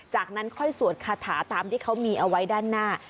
จากนั้นค่อยสวดคาถาตามที่เขามีเอาไว้ด้านหน้า